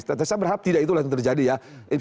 saya berharap tidak itulah yang terjadi ya